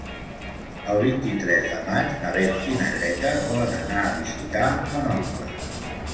El vint-i-tres de maig na Beth i na Greta volen anar a visitar mon oncle.